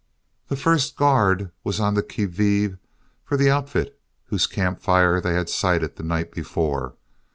The first guard was on the qui vive for the outfit whose camp fire they had sighted the night before.